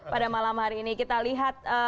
pada malam hari ini kita lihat